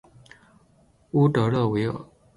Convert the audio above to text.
乌德勒维尔。